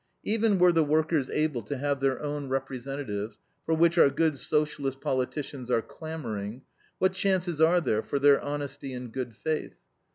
Even were the workers able to have their own representatives, for which our good Socialist politicians are clamoring, what chances are there for their honesty and good faith?